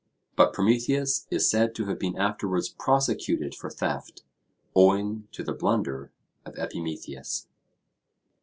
But Prometheus is said to have been afterwards prosecuted for theft, owing to the blunder of Epimetheus.